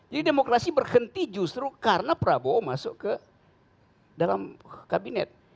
jadi demokrasi berhenti justru karena prabowo masuk ke dalam kabinet